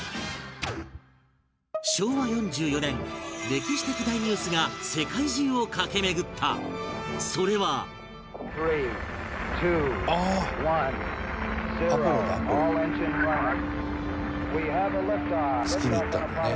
昭和４４年歴史的大ニュースが世界中を駆け巡ったそれは伊達：月に行ったんだよね。